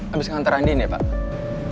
abis ngantaran ini ya pak